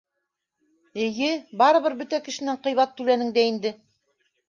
— Эйе, барыбер бөтә кешенән ҡыйбат түләнең дә инде!